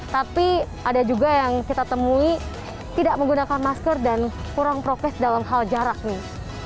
tapi ada juga yang kita temui tidak menggunakan masker dan kurang prokes dalam hal jarak nih